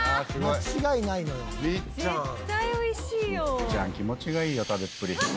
「みっちゃん気持ちがいいよ食べっぷり」